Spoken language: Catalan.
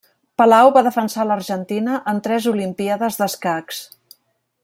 Palau va defensar l'Argentina en tres Olimpíades d'escacs.